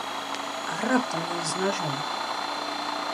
А раптам ён з нажом?